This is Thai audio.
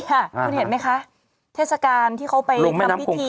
หลวงแม่ดำกุมภา